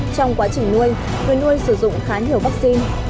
trong quá trình nuôi người nuôi sử dụng khá nhiều vaccine